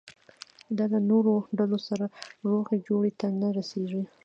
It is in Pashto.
دا له نورو ډلو سره روغې جوړې ته نه رسېږي.